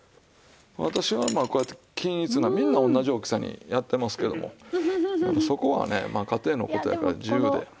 私はまあこうやって均一なみんな同じ大きさにやってますけどもそこはねまあ家庭の事やから自由で。